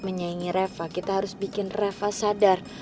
menyaingi reva kita harus bikin reva sadar